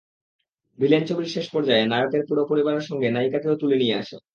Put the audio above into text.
Villain ছবির শেষ পর্যায়ে নায়কের পুরো পরিবারের সঙ্গে নায়িকাকেও তুলে নিয়ে আসে।